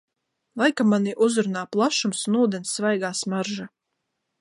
Laikam mani uzrunā plašums un ūdens svaigā smarža.